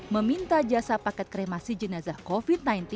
meminta jasa paket kremasi jenazah covid sembilan belas